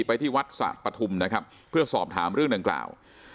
ไปที่วัดสะปฐุมนะครับเพื่อสอบถามเรื่องดังกล่าว